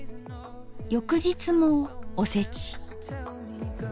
翌日もおせち。